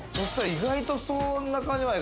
意外とそんな感じない。